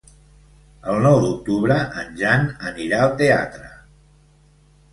El nou d'octubre en Jan anirà al teatre.